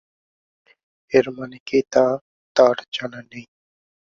এর মানে কী, তা তাঁর জানা নেই।